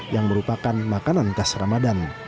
yang merupakan makanan khas ramadan